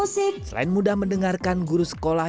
selain mudah mendengarkan guru sekolah